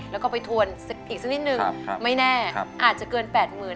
แล้วก็ไปทวนอีกสักนิดนึงไม่แน่อาจจะเกิน๘๐๐๐